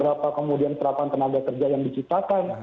berapa kemudian serapan tenaga kerja yang diciptakan